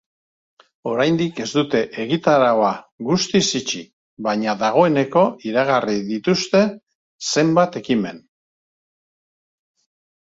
Oraindik ez dute egitaraua guztiz itxi, baina dagoeneko iragarri dituzte zenbait ekimen.